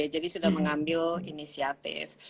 jadi sudah mengambil inisiatif